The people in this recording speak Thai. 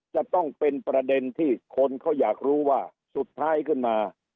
จะต้องเป็นประเด็นที่คนเขาอยากรู้ว่าสุดท้ายขึ้นมา